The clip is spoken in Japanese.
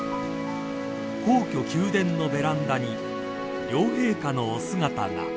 ［皇居宮殿のベランダに両陛下のお姿が］